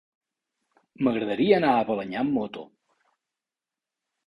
M'agradaria anar a Balenyà amb moto.